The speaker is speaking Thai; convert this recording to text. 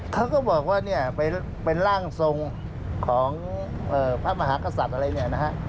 เขาก็บอกว่าเนี่ยเป็นร่างทรงของพระมหากษัตริย์อะไรเนี่ยนะฮะ